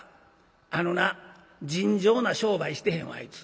あのな尋常な商売してへんわあいつ。